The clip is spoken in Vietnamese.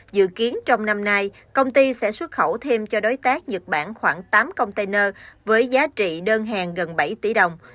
dự kiến trong năm nay công ty sẽ xuất khẩu thêm cho đối tác nhật bản khoảng tám container với giá trị đơn hàng gần bảy tỷ đồng